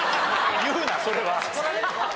言うなそれは。